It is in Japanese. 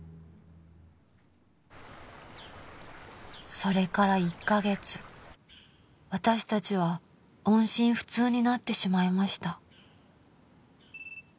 それから１カ月私たちは音信不通になってしまいました